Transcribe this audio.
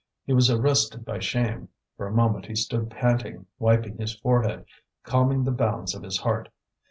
He was arrested by shame. For a moment he stood panting, wiping his forehead, calming the bounds of his heart.